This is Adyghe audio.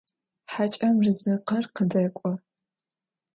Хьакӏэм рызыкъыр къыдэкӏо.